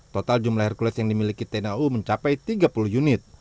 total jumlah hercules yang dimiliki tnau mencapai tiga puluh unit